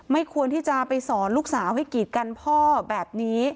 ควรที่จะไปสอนลูกสาวให้กีดกันพ่อแบบนี้